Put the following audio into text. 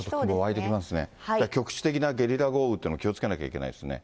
湧いてきますね、局地的なゲリラ豪雨っていうの、気をつけなきゃいけないですね。